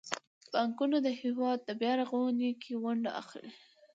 بانکونه د هیواد په بیارغونه کې ونډه اخلي.